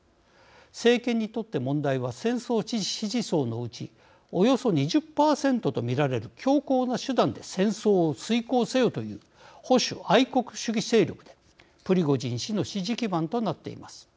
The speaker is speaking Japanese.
政権にとって問題は戦争支持層のうちおよそ２０％と見られる強硬な手段で戦争を遂行せよという保守愛国主義勢力でプリゴジン氏の支持基盤となっています。